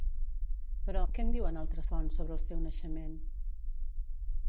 Però, què en diuen altres fonts sobre el seu naixement?